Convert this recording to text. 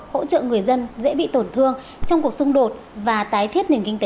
hỗ trợ người dân dễ bị tổn thương trong cuộc xung đột và tái thiết nền kinh tế